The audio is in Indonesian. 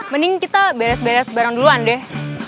mending kita beres beres bareng duluan deh